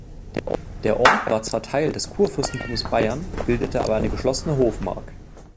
Der Ort war zwar Teil des Kurfürstentums Bayern, bildete aber eine geschlossene Hofmark.